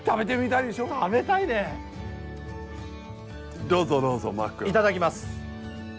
いただきます。